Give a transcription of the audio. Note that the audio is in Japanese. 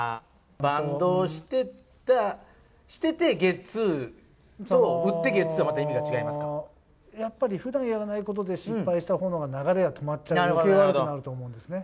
バントをしててゲッツーと、打ってゲッツーと、やっぱりふだんやらないことで失敗したほうの流れが止まっちゃって、よけい悪くなると思うんですね。